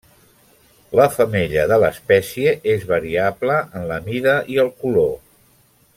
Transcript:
La femella de l'espècie és variable en la mida i el color.